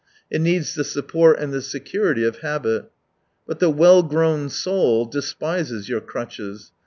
It needs the support and the security of habit, But the well grown soul despises your crutches.